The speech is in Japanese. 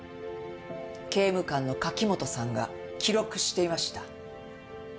刑務官の柿本さんが記録していました。